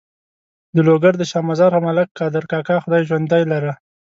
د لوګر د شا مزار ملک قادر کاکا خدای ژوندی لري.